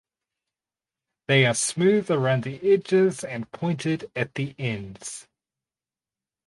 They are smooth around the edges and pointed at the ends.